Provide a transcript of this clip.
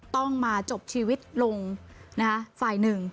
ต้องมาจบชีวิตลงนะคะฝ่ายหนึ่ง